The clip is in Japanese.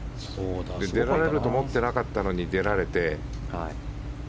出られると思ってなかったのに、出られて。